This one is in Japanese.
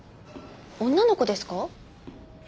女の子ですか？